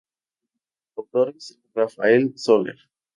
Autores: Rafael Soler.